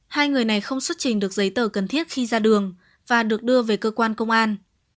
hai người này không xuất trình được giấy tờ cần thiết khi ra đường và được đưa về cơ quan công an